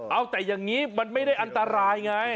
เอาแต่อย่างนี้มันไม่ได้อันตรายไง